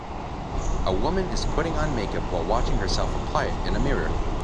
A woman is putting on makeup while watching herself apply it in a mirror.